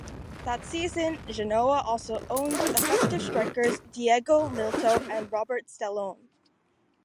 That season, Genoa also owned effective strikers Diego Milito and Roberto Stellone.